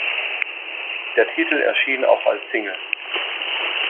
Der Titel erschien auch als Single.